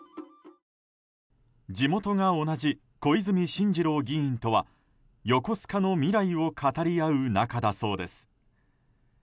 地元が同じ小泉進次郎議員とは横須賀の未来を語り合う仲だそうです。